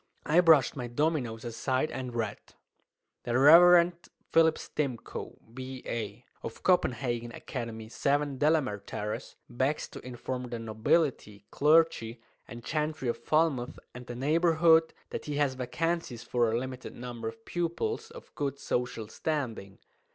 I brushed my dominoes aside, and read "The Reverend Philip Stimcoe, B.A., (Oxon.), of Copenhagen Academy, 7. Delamere Terrace, begs to inform the Nobility, Clergy, and Gentry of Falmouth and the neighbourhood that he has Vacancies for a limited number of Pupils of good Social Standing.